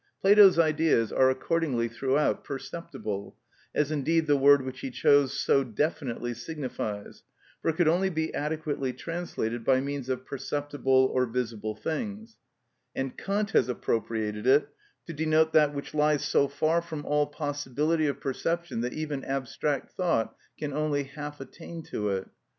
Plato's "Ideas" are accordingly throughout perceptible, as indeed the word which he chose so definitely signifies, for it could only be adequately translated by means of perceptible or visible things; and Kant has appropriated it to denote that which lies so far from all possibility of perception that even abstract thought can only half attain to it.